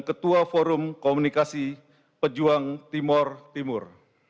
ketua forum komunikasi pejuang timur timur